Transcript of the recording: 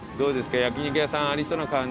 焼肉屋さんありそうな感じ。